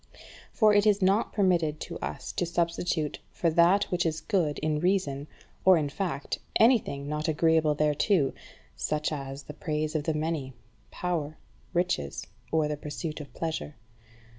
For it is not permitted to us to substitute for that which is good in reason or in fact anything not agreeable thereto, such as the praise of the many, power, riches, or the pursuit of pleasure.